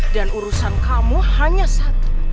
dan urusan kamu hanya satu